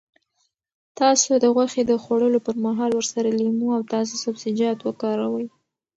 تاسو د غوښې د خوړلو پر مهال ورسره لیمو او تازه سبزیجات وکاروئ.